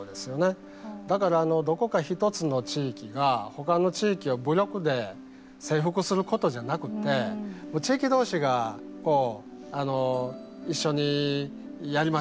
だからどこか一つの地域が他の地域を武力で征服することじゃなくて地域同士が一緒にやりましょうというようなことでね